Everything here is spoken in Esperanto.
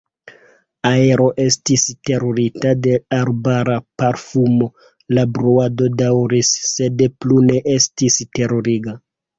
Aero estis saturita de arbara parfumo, la bruado daŭris, sed plu ne estis teruriga.